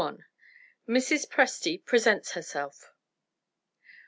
Mrs. Presty Presents Herself.